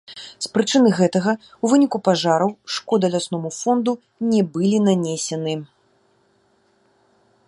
З прычыны гэтага, у выніку пажараў шкода лясному фонду не былі нанесены.